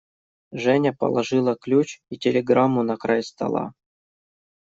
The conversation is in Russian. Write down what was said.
Женя положила ключ и телеграмму на край стола.